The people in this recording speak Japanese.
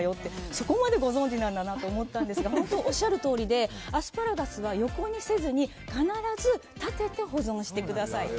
そこまでご存じなんだなと思ったんですが本当おっしゃるとおりでアスパラガスは横にせずに必ず、立てて保存してください。